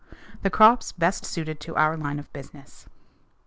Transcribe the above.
_The crops best suited to our line of business.